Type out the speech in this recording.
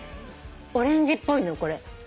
オレンジっぽいのよこれ。